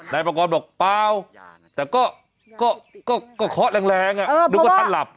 นายประกอบบอกเปล่าแต่ก็เคาะแรงนึกว่าท่านหลับ